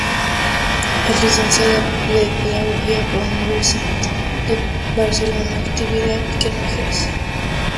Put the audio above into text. Es licenciada en Pedagogía por la Universitat de Barcelona, actividad que no ejerce.